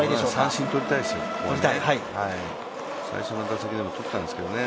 三振とりたいですよ、ここは最初の打席でもとったんですけどね。